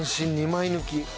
２枚抜き。